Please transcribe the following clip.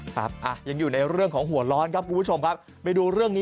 ตามผมมาผมยังมาหาพี่อะหาบาทก็มาหาเลยนะ